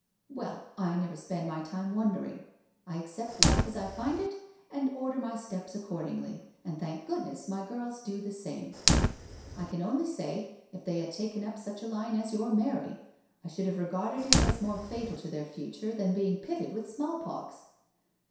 •••"*' Well, I aever spend my time wondering. I accept life as I find it and order my steps accordingly, and thank goodufBss my girls do the same. I can only say 28 NO SURRENDER if they had taken up such a line as your Mary, I should have regarded it as more fatal to their future than being pitted with smallpox."